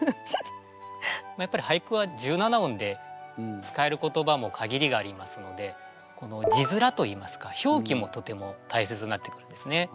やっぱり俳句は１７音で使える言葉も限りがありますのでこの字面といいますか表記もとても大切になってくるんですね。